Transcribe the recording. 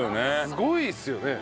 すごいですよね。